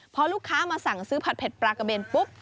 พอลูกค้ามาสั่งซื้อผัดเผ็ดปลากระเบนปุ๊บ